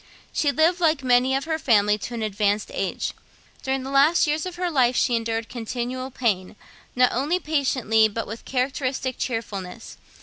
She lived, like many of her family, to an advanced age. During the last years of her life she endured continual pain, not only patiently but with characteristic cheerfulness.